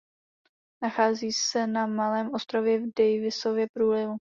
Nachází se na malém ostrově v Davisově průlivu.